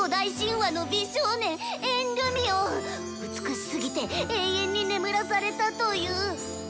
美しすぎて永遠に眠らされたという。